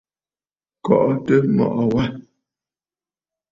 Kɔʼɔtə mɔʼɔ wâ.